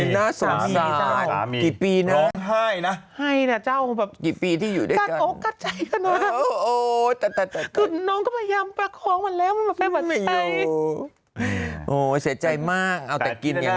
โหเสียใจมาก